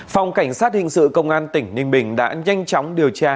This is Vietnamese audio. phòng cảnh sát hình sự công an tỉnh ninh bình đã nhanh chóng điều tra